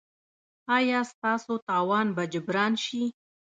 ایا ستاسو تاوان به جبران شي؟